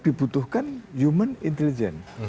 dibutuhkan human intelligence